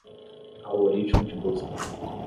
Algoritmo de busca.